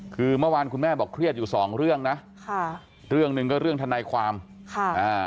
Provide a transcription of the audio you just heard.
คือเมื่อวานคุณแม่บอกเครียดอยู่สองเรื่องนะค่ะเรื่องหนึ่งก็เรื่องทนายความค่ะอ่า